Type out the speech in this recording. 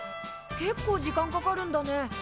結構時間かかるんだね。